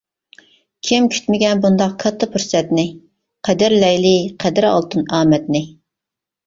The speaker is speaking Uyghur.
كىم كۈتمىگەن بۇنداق كاتتا پۇرسەتنى، قەدىرلەيلى قەدرى ئالتۇن ئامەتنى.